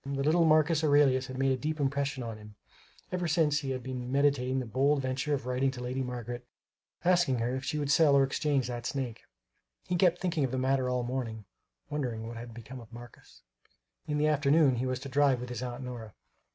The little Marcus Aurelius had made a deep impression on him; ever since he had been meditating the bold venture of writing to Lady Margaret asking her if she would sell or exchange that snake. He kept thinking of the matter all the morning, wondering what had become of Marcus. In the afternoon, he was to drive with his Aunt Nora.